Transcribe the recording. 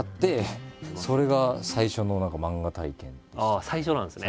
ああ最初なんですね。